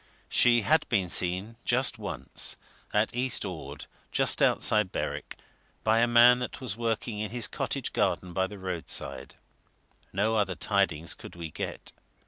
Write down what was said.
She had been seen just once, at East Ord, just outside Berwick, by a man that was working in his cottage garden by the roadside no other tidings could we get.